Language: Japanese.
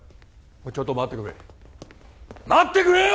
ちょっと待ってくれ待ってくれよ！